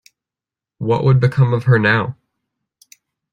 What would become of her now?